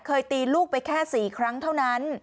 เคยตีลูกไปแค่๔ครั้งเท่านั้น